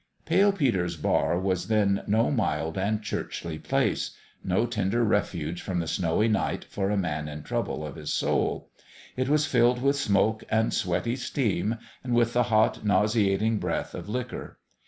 Pale Peter's bar was then no mild and churchly place no tender refuge from the snowy night for a man in trouble of his soul. It was filled with smoke and sweaty steam, and with the hot, nauseating breath of liquor.